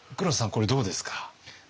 これどうですか？